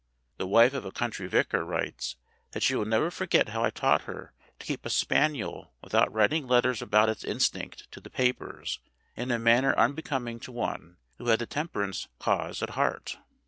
The wife of a country vicar writes that she will never forget how I taught her to keep a spaniel without writing letters about its instinct to the papers in a manner unbecoming to one who had the temper ance cause at heart.